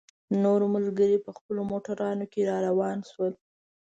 نور ملګري په خپلو موټرانو کې را روان شول.